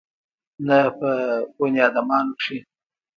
نه په بنيادامانو کښې.